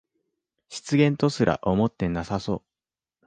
失言とすら思ってなさそう